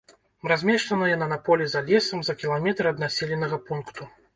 Размешчана яна на полі за лесам, за кіламетр ад населенага пункту.